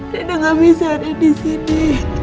rina gak bisa ada disini